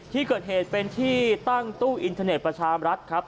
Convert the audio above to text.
ที่เกิดเหตุเป็นที่ตั้งตู้อินเทอร์เน็ตประชามรัฐครับ